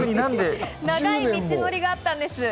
長い道のりがあったんです。